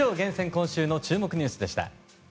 今週の注目ニュースでした。